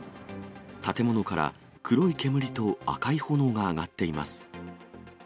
建物から黒い煙と赤い炎が上がっています。